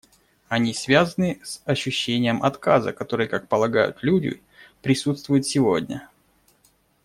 Они связаны с ощущением отказа, который, как полагают люди, присутствует сегодня.